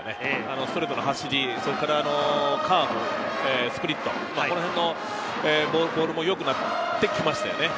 ストレートの走り、カーブ、スプリット、ボールもよくなってきましたね。